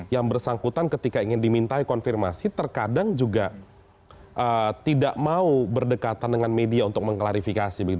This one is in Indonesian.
yang bersangkutan ketika ingin dimintai konfirmasi terkadang juga tidak mau berdekatan dengan media untuk mengklarifikasi